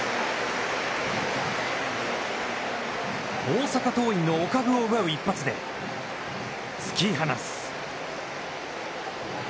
大阪桐蔭のお株を奪う一発で、突き放す。